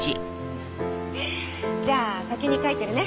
じゃあ先に帰ってるね。